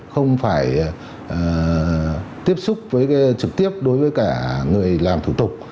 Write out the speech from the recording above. không phải tiếp xúc trực tiếp đối với cả người làm thủ tục